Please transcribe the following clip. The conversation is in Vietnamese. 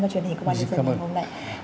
cho truyền hình của bộ tài nguyên